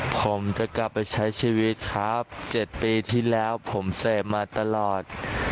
ผมจะกลับไปใช้ชีวิตครับ๗ปีที่แล้วผมเสพมาตลอด